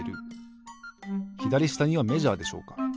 ひだりしたにはメジャーでしょうか。